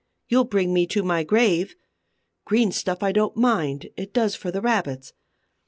You'll bring me to my grave. Green stuff I don't mind: it does for the rabbits.